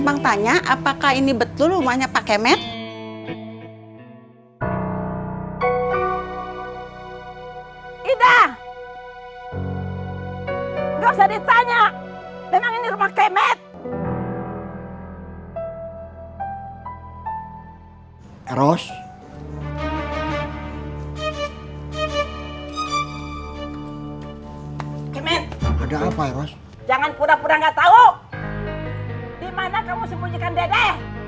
jangan pura pura gak tau di mana kamu sembunyikan dede